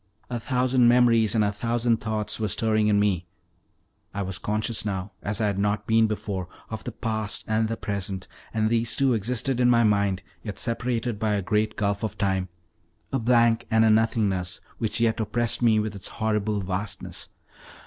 A thousand memories and a thousand thoughts were stirring in me: I was conscious now, as I had not been before, of the past and the present, and these two existed in my mind, yet separated by a great gulf of time a blank and a nothingness which yet oppressed me with its horrible vastness.